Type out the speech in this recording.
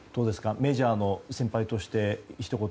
メジャーの先輩としてひと言。